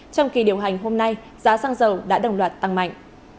trong kỳ điều hành hôm nay giá xăng dầu đã đồng loạt tăng mạnh